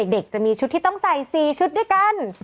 เด็กจะมีชุดที่ต้องใส่๔ชุดด้วยกัน